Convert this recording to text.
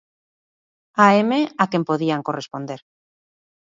"A M", a quen podían corresponder."